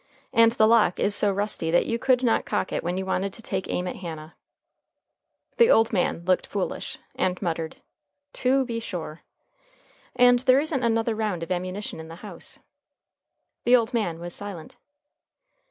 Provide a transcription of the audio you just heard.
"And the lock is so rusty that you could not cock it when you wanted to take aim at Hannah." The old man looked foolish, and muttered "To be sure." "And there isn't another round of ammunition in the house." The old man was silent.